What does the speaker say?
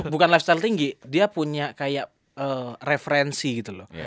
bukan lifestyle tinggi dia punya kayak referensi gitu loh